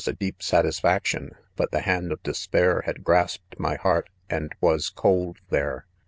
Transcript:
a deep satisfaction, "but the hand of despair had grasped my heart, and was cold there.